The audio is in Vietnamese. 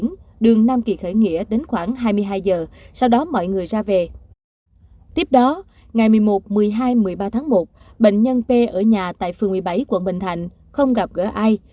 trước đó ngày một mươi một một mươi hai một mươi ba tháng một bệnh nhân p ở nhà tại phường một mươi bảy quận bình thạnh không gặp gỡ ai